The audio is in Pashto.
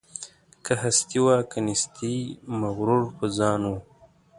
که هستي وه که نیستي مغرور په ځان وو